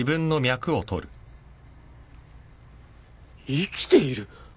生きている？